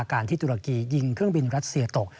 การที่ตุรกียิงเครื่องบินรัสเซียตก